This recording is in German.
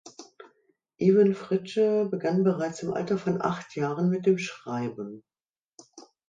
Iven Fritsche begann bereits im Alter von acht Jahren mit dem Schreiben.